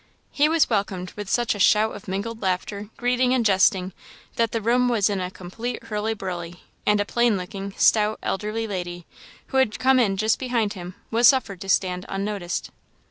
He was welcomed with such a shout of mingled laughter, greeting, and jesting, that the room was in a complete hurly burly; and a plain looking, stout, elderly lady, who had come in just behind him, was suffered to stand unnoticed.